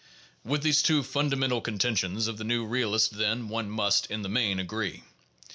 "With these two fundamental contentions of the new realist, then, one must in the main agree.